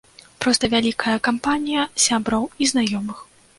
Проста вялікая кампанія сяброў і знаёмых.